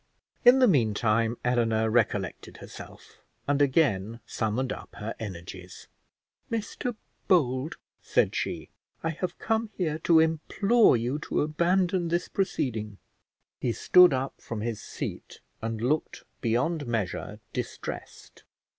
In the meantime Eleanor recollected herself, and again summoned up her energies. "Mr Bold," said she, "I have come here to implore you to abandon this proceeding." He stood up from his seat, and looked beyond measure distressed.